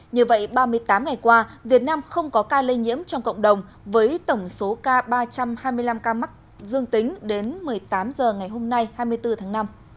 như vậy ba mươi tám ngày qua việt nam không có ca lây nhiễm trong cộng đồng với tổng số ca ba trăm hai mươi năm ca mắc dương tính đến một mươi tám h ngày hôm nay hai mươi bốn tháng năm